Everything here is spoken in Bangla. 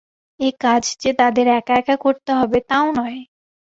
এ কাজ যে তাদের একা একা করতে হবে, তা ও নয়।